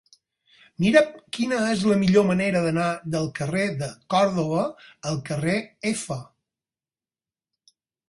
Mira'm quina és la millor manera d'anar del carrer de Còrdova al carrer F.